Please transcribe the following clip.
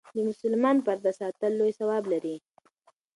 د مسلمان پرده ساتل لوی ثواب لري.